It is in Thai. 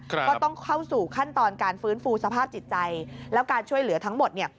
ก็ต้องเข้าสู่ขั้นตอนการฟื้นฟูสภาพจิตใจแล้วการช่วยเหลือทั้งหมดเนี่ย